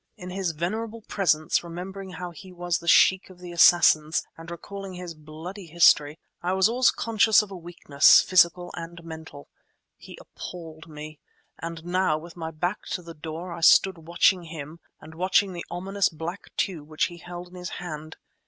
In his venerable presence, remembering how he was Sheikh of the Assassins, and recalling his bloody history, I was always conscious of a weakness, physical and mental. He appalled me; and now, with my back to the door, I stood watching him and watching the ominous black tube which he held in his hand.